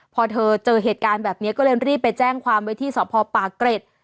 พอเธอเจอเหตุการณ์แบบนี้ก็เลยรีบไปแจ้งความไว้ที่สพปากเกร็ด